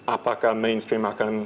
apakah mainstream akan